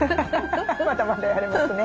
まだまだやれますね。